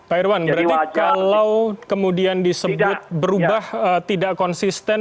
pak irwan berarti kalau kemudian disebut berubah tidak konsisten